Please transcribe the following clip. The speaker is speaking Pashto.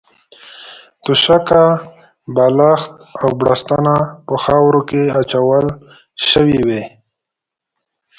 توشکه، بالښت او بړستنه په خاورو کې اچول شوې وې.